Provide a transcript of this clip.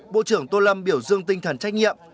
bộ trưởng tô lâm biểu dương tinh thần trách nhiệm